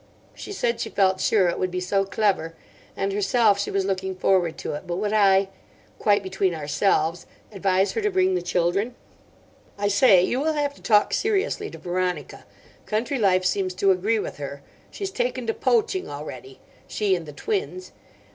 She said she felt sure it would be so clever, and, herself, she was looking forward to it; but would I—'quite between ourselves'—advise her to bring the children. "I say, you will have to talk seriously to Veronica. Country life seems to agree with her. She's taken to poaching already—she and the twins.